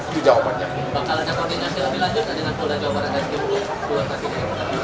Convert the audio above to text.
kalau jawabannya lebih lanjut ada jawaban dari pgi